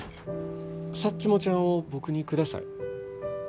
サッチモちゃんを僕にください。